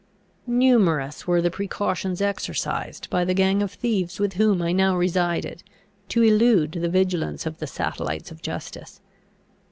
Numerous were the precautions exercised by the gang of thieves with whom I now resided, to elude the vigilance of the satellites of justice.